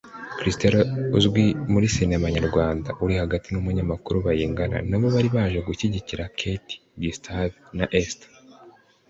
Christelle uzwi muri Sinema Nyarwanda(uri hagati) n'umunyamakuru Bayingana nabo bari baje gushyigikira Kate Gustave na Esther